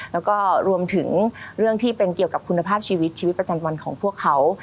แล้วก็รวมถึงเรื่องที่เป็นเกี่ยวกับคุณภาพชีวิตชีวิตประจำวันของพวกเขา